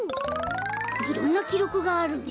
いろんなきろくがあるね。